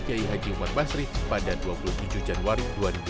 kiai haji umar basri pada dua puluh tujuh januari dua ribu dua puluh